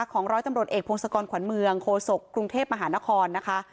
ของร้อยตำรวจเอกพงศกรขวัญเมืองโคศกกรุงเทพมหานครนะคะ